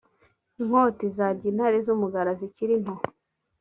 inkota izarya intare z’umugara zikiri nto